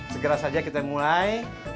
segera saja kita mulai